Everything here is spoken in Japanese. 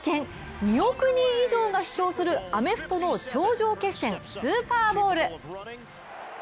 ２億人以上が視聴するアメフトの頂上決戦、スーパーボウル。